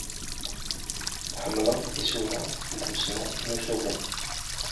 Tḥemmleḍ isura n tussna n ussugen?